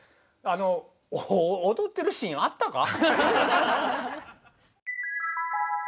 あの踊ってるシーンあったか？